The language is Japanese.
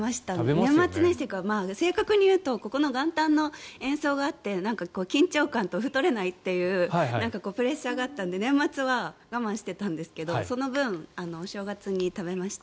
年末年始というか正確に言うとここの元旦の演奏があってなんか緊張感と太れないというプレッシャーがあったので年末は我慢してたんですけどその分、お正月に食べました。